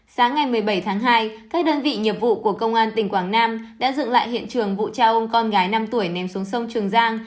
sáng ngày một mươi bảy tháng hai các đơn vị nghiệp vụ của công an tỉnh quảng nam đã dựng lại hiện trường vụ cha ông con gái năm tuổi ném xuống sông trường giang